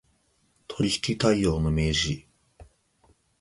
取引態様の明示